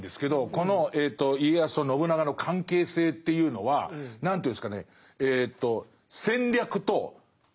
この家康と信長の関係性というのは何ていうんですかね